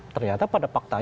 ternyata pada faktanya